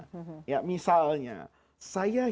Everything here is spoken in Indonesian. saya hingga sampai sekarang saya lihat yang ada di atas ini